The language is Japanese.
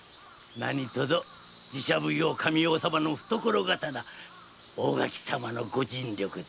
何とぞ寺社奉行神尾様の懐刀・大垣様のご尽力で。